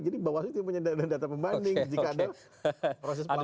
jadi bawaslu itu yang punya dana data pembanding jika ada proses pelakukan